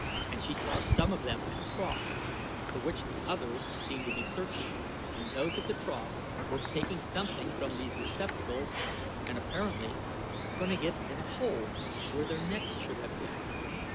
And she saw some of them at troughs, for which the others seemed to be searching, and those at the troughs were taking something from these receptacles and apparently putting it in a hole where their necks should have been.